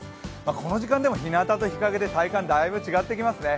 この時間でもひなたと日陰で体感がだいぶ違ってきますね。